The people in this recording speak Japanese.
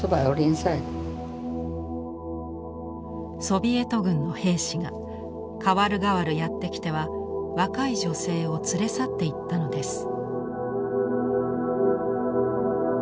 ソビエト軍の兵士が代わる代わるやって来ては若い女性を連れ去っていったのです。